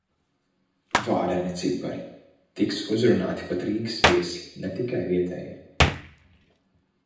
Vareni cipari! Tiks uzrunāti pat Rīgas viesi, ne tikai vietējie.